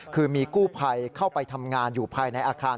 คือมีกู้ภัยเข้าไปทำงานอยู่ภายในอาคาร